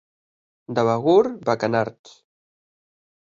De Begur, bacanards.